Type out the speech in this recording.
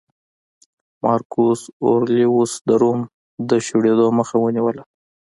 مارکوس اورلیوس د روم د شړېدو مخه ونیوله